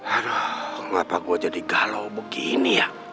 aduh kenapa gue jadi galau begini ya